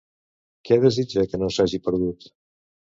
Què desitja que no s'hagi perdut?